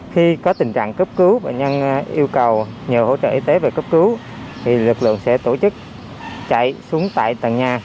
khi có tình trạng cấp cứu bệnh nhân yêu cầu nhờ hỗ trợ y tế về cấp cứu thì lực lượng sẽ tổ chức chạy xuống tại tầng nhà